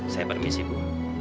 saya permisi bu